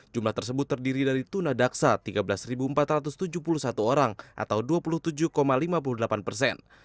jumlah tersebut terdiri dari tunadaksa tiga belas empat ratus tujuh puluh satu orang atau dua puluh tujuh lima puluh delapan persen